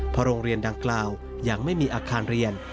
เพราะโรงเรียนดังกล่าวยังไม่มีอาคารเรียน